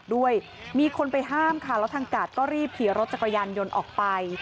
ด้วยมีคนไปห้ามค่ะแล้วทางกาดก็รีบขี่รถจักรยานยนต์ออกไป